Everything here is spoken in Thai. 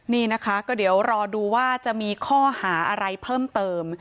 นี่นะคะก็เดี๋ยวรอดูว่าจะมีข้อหาอะไรเพิ่มเติม